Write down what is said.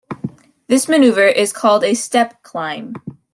This maneuver is called a step climb.